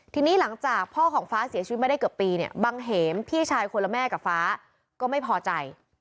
ทีนี้หลังจากพ่อของฟ้าเสียชีวิตมาได้เกือบปีเนี่ยบังเหมพี่ชายคนละแม่กับฟ้าก็ไม่พอใจ